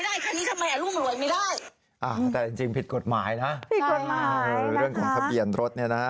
เรื่องของทะเบียนรถนี่นะ